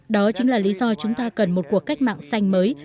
đó chính là lý do chúng ta cần một cuộc cách mạng xanh mới